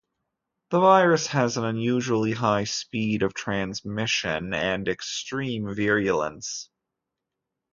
The virus has an unusually high speed of transmission and extreme virulence.